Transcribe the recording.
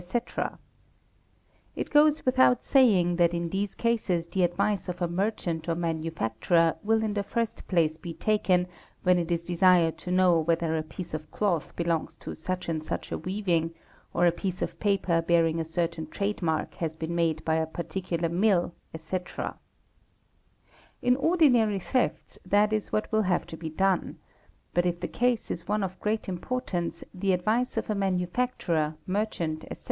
It 206 THE MICROSCOPIST goes without saying that in these cases the advice of a merchant or manu facturer will in the first place be taken when it is desired to know whether a piece of cloth belongs to such and such a weaving, or a piece of paper bearing a certain trade mark has been made by a particular mill, ete. In ordinary thefts that is what will have to be done; but if the case is one of great importance the advice of a manufacturer, merchant, etc.